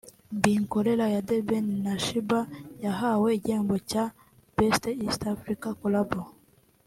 Binkolera ya The Ben na Sheebah yahawe igihembo cya (Best East African Collabo)